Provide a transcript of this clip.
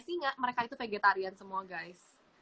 singa mereka itu vegetarian semua guys